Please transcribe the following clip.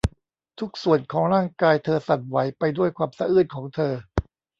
ทุกส่วนของร่างกายเธอสั่นไหวไปด้วยความสะอื้นของเธอ